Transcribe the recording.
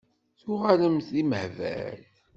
Tuɣalemt d timehbal?